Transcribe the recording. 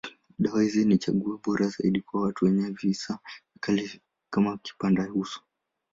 Dawa hizi ni chaguo bora zaidi kwa watu wenye visa vikali ya kipandauso.